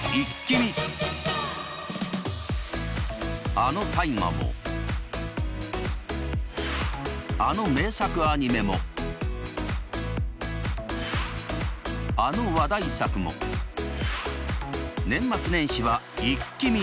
あの「大河」もあの名作アニメもあの話題作も年末年始はイッキ見！